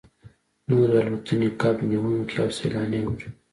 نورې الوتنې کب نیونکي او سیلانیان وړي